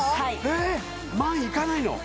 えっ万いかないの？